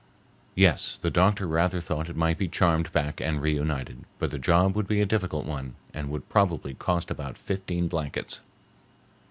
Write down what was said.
Yes, the doctor rather thought it might be charmed back and re united, but the job would be a difficult one, and would probably cost about fifteen blankets.